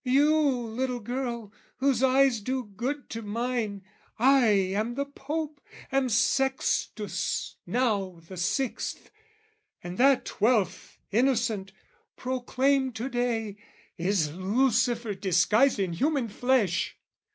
"'You little girl, whose eyes do good to mine, "'I am the Pope, am Sextus, now the Sixth; "'And that Twelfth Innocent, proclaimed to day, "'Is Lucifer disguised in human flesh!